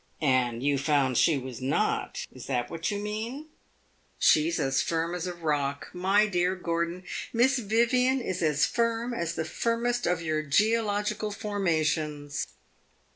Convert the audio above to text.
"And you found she was not. Is that what you mean?" "She 's as firm as a rock. My dear Gordon, Miss Vivian is as firm as the firmest of your geological formations."